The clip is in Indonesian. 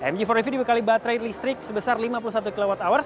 mg empat rev dibekali baterai listrik sebesar lima puluh satu kwh